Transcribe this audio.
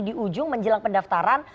di ujung menjelang pendaftaran